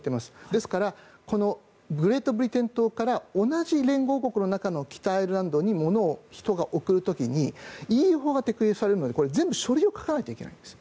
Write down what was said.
ですからグレートブリテン島から同じ連合国の中の北アイルランドに物、人を送る時にＥＵ法が適用されるので全部書類を書かないといけないんです。